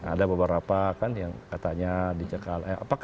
ada beberapa kan yang katanya dicekal